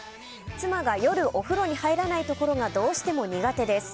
妻が夜お風呂に入らないところがどうしても苦手です。